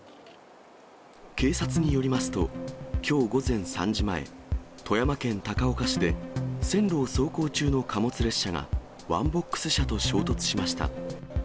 警察によりますと、きょう午前３時前、富山県高岡市で、線路を走行中の貨物列車がワンボックス車と衝突しました。